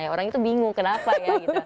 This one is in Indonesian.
orang itu bingung kenapa ya gitu